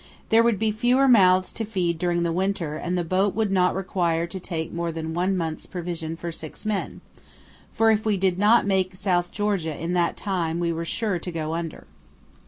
There would be fewer mouths to feed during the winter and the boat would not require to take more than one month's provisions for six men, for if we did not make South Georgia in that time we were sure to go under.